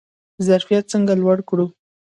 ظرفیت څنګه لوړ کړو؟